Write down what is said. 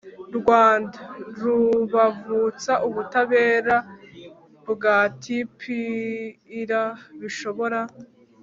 rwanda. kubavutsa ubutabera bwa tpir bishobora